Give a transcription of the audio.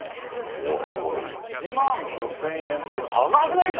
おいこれ１万５０００円って高くねえか！？